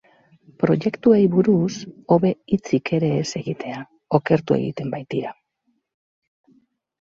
Proiektuei buruz, hobe hitzik ere ez egitea, okertu egiten baitira.